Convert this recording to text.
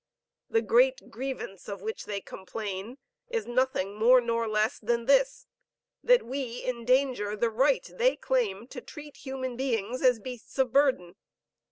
The great grievance of which they complain, is nothing more nor less than this: that we endanger the right they claim to treat human beings as beasts of burden.